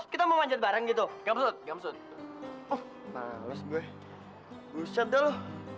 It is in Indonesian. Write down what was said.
kita mau manjat bareng gitu maksud maksud males gue usah dulu